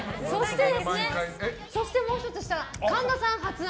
そして、もう１つ神田さん発案